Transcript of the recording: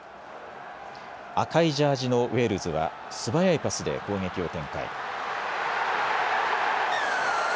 赤いジャージのウェールズは素早いパスで攻撃を展開。